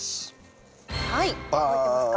はい覚えてますか？